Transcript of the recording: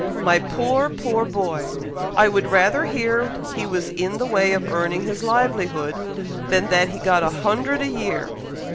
My poor, poor boy! I would rather hear he was in the way of earning his livelihood, than that he got a hundred a year.